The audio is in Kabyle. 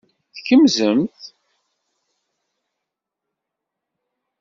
Tkemzemt.